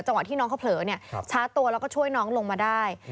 ที่น้องเขาเผลอชาร์จตัวแล้วก็ช่วยน้องลงมาได้